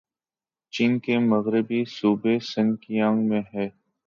چین کے مغربی صوبے سنکیانگ میں ہے